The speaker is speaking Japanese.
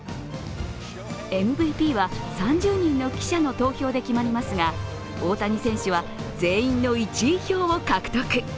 ＭＶＰは３０人の記者の投票で決まりますが、大谷選手は全員の１位票を獲得。